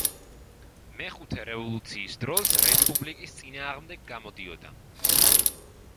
მეხუთე რევოლუციის დროს რესპუბლიკის წინააღმდეგ გამოდიოდა.